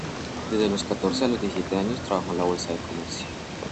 Desde los catorce a los diecisiete años trabajó en la Bolsa de Comercio.